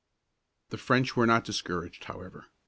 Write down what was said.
The French were not discouraged, however.